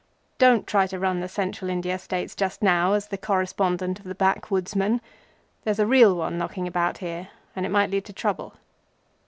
Don't try to run the Central India States just now as the correspondent of the Backwoodsman. There's a real one knocking about here, and it might lead to trouble."